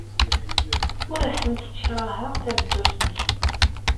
Ur asent-ssekṛaheɣ tameddurt-nsent.